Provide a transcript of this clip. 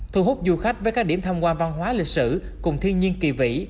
thu hút du khách với các điểm tham quan văn hóa lịch sử cùng thiên nhiên kỳ vĩ